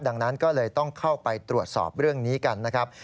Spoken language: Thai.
ดังนั้นก็เลยต้องเข้าไปตรวจสอบเรื่องนี้กันนะครับ